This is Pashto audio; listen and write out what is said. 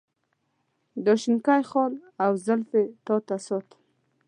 دا شینکی خال او زلفې تا ته ساتم.